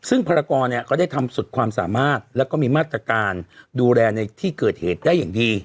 ซึ่งภารกรเนี่ยก็ได้ทำสุดความสามารถแล้วก็มีมาตรการดูแลในที่เกิดเหตุได้อย่างดี